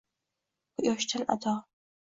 Quyoshdan ato: